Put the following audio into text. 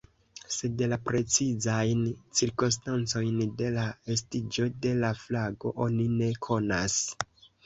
Sed la precizajn cirkonstancojn de la estiĝo de la flago oni ne konas.